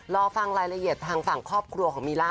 รอฟังรายละเอียดทางฝั่งครอบครัวของมีล่า